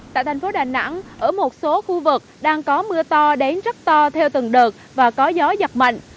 tại thành phố đà nẵng ở một số khu vực đang có mưa to đến rất to theo từng đợt và có gió giật mạnh